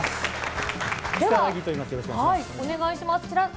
お願いいたします。